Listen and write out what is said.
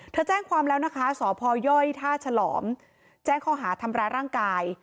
แจ้งความแล้วนะคะสพยท่าฉลอมแจ้งข้อหาทำร้ายร่างกาย